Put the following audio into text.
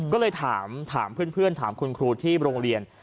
ก็เลยถามเพื่อนถามคุณครูที่โรงเรียน